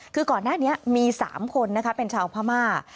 คือก่อนหน้านี้มี๓คนนะคะเป็นชาวพม่า